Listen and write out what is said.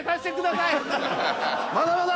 まだまだ！